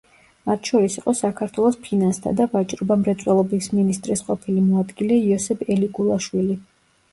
მათ შორის იყო საქართველოს ფინანსთა და ვაჭრობა-მრეწველობის მინისტრის ყოფილი მოადგილე იოსებ ელიგულაშვილი.